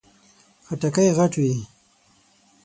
خټکی غټ وي.